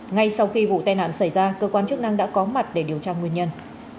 ngay sau khi vụ tai nạn xảy ra cơ quan chức năng đã có mặt để điều tra nguyên nhân